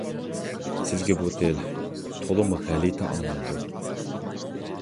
سىزگە بۇ تىل تولىمۇ غەلىتە ئاڭلىنىدۇ.